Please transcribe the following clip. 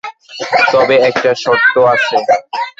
তবে একটা শর্ত আছে।